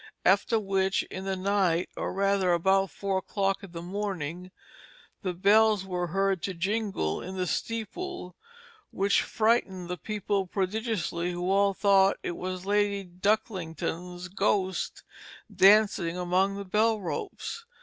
After which, in the night, or rather about four o'clock in the morning, the bells were heard to jingle in the steeple, which frightened the people prodigiously, who all thought it was Lady Ducklington's ghost dancing among the bell ropes.